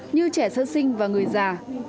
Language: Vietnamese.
như trẻ sơ sinh và người già